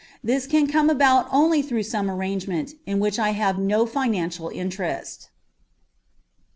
This can come about only through some arrangement in which I have no financial interest.